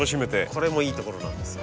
これもいいところなんですよ。